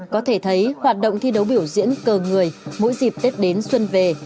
có thể thấy hoạt động thi đấu biểu diễn cờ người mỗi dịp tết đến xuân về